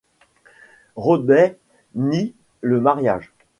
Roddey nie le mariage.